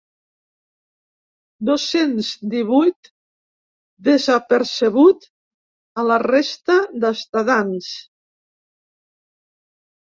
Dos-cents divuit desapercebut a la resta d'estadants.